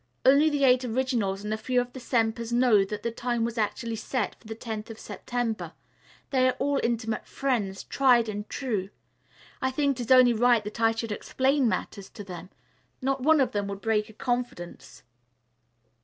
Only the Eight Originals and a few of the 'Sempers' know that the time was actually set for the tenth of September. They are all intimate friends, tried and true. I think it is only right that I should explain matters to them. Not one of them would break a confidence.